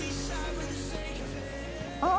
あっ！